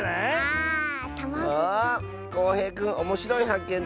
こうへいくんおもしろいはっけん